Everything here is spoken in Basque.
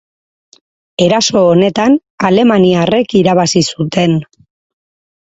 Eraso honetan Alemaniarrek irabazi zuten.